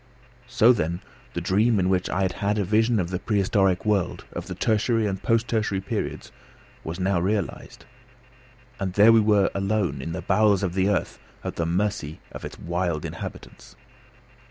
So, then, the dream in which I had had a vision of the prehistoric world, of the tertiary and post tertiary periods, was now realised. And there we were alone, in the bowels of the earth, at the mercy of its wild inhabitants!